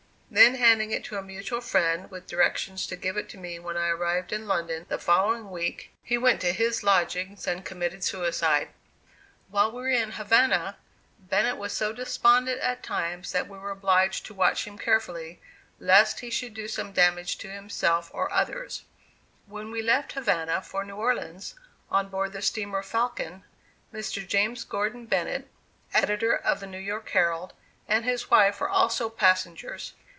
Then handing it to a mutual friend with directions to give it to me when I arrived in London the following week, he went to his lodgings and committed suicide. While we were in Havana, Bennett was so despondent at times that we were obliged to watch him [Illustration: J. G. BENNETT AND HIS MONKEY.] carefully, lest he should do some damage to himself or others. When we left Havana for New Orleans, on board the steamer "Falcon," Mr. James Gordon Bennett, editor of the New York Herald, and his wife were also passengers.